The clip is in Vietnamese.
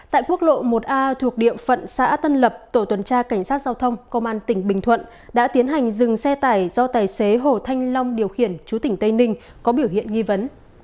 tại quốc lộ một a thuộc địa phận xã tân lập tổ tuần tra cảnh sát giao thông công an tỉnh bình thuận đã tiến hành dừng xe tải do tài xế hồ thanh long điều khiển chú tỉnh tây ninh có biểu hiện nghi vấn